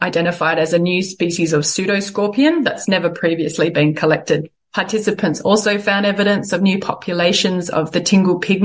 tentang populasi populasi yang baru